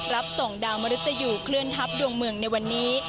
รับส่งดาวมริตยูเคลื่อนทัพดวงเมืองในวันนี้